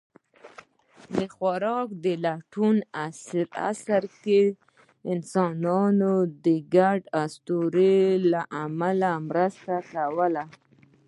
د خوراک لټوني عصر کې انسانان د ګډو اسطورو له امله مرسته کوله.